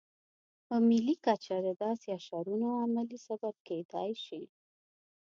په ملي کچه د داسې اشرونو عملي سبب کېدای شي.